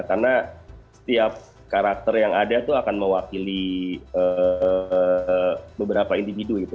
karena setiap karakter yang ada tuh akan mewakili beberapa individu gitu